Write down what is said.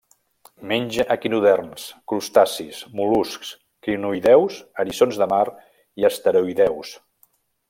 Menja equinoderms, crustacis, mol·luscs, crinoïdeus, eriçons de mar i asteroïdeus.